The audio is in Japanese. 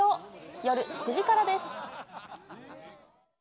夜７時からです。